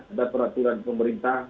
ada peraturan pemerintah